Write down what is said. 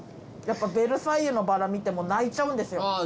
やっぱ『ベルサイユのばら』見ても泣いちゃうんですよ。